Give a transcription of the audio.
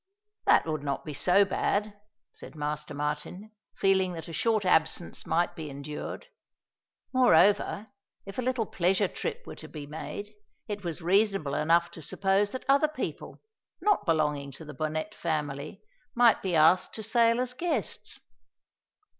"That would not be so bad," said Master Martin, feeling that a short absence might be endured. Moreover, if a little pleasure trip were to be made, it was reasonable enough to suppose that other people, not belonging to the Bonnet family, might be asked to sail as guests.